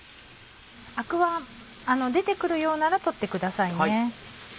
アクは出て来るようなら取ってください。